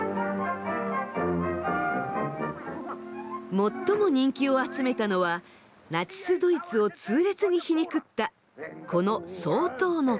最も人気を集めたのはナチスドイツを痛烈に皮肉ったこの「総統の顔」。